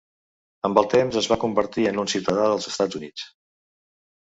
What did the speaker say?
Amb el temps es va convertir en un ciutadà dels Estats Units.